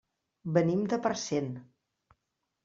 Venim de Parcent.